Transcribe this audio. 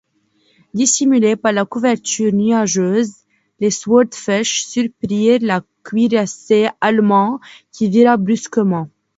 Dissimulés par la couverture nuageuse, les Swordfish surprirent le cuirassé allemand qui vira brusquement.